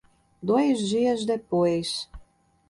Dois dias depois